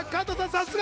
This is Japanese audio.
さすが！